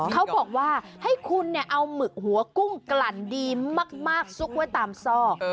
เขาบอกว่าให้คุณเอาหมึกหัวกุ้งกลั่นดีมากซุกไว้ตามซอก